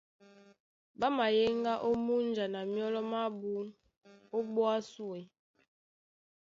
Ɓá mayéŋgá ó múnja na myɔ́lɔ mábū ó ɓwá súe.